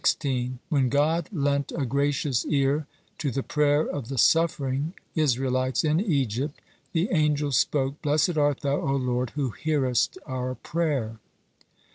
When God lent a gracious ear to the prayer of the suffering Israelites in Egypt, the angels spoke: "Blessed art Thou, O Lord, who hearest our prayer."